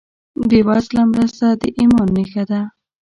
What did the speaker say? بېوزله مرسته د ایمان نښه ده.